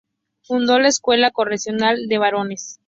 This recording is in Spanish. Fundó la Escuela Correccional de Varones.